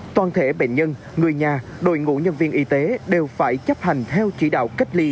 toàn thể bệnh nhân người nhà đội ngũ nhân viên y tế đều phải chấp hành theo chỉ đạo cách ly